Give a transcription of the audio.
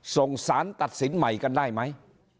ส่งสารตัดสินใหม่กันได้ไหม